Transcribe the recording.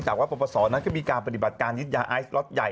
ก็บอกว่าประวัติศาสตร์นั้นก็มีการปฏิบัติการยึดยาไอซ์ล็อตใหญ่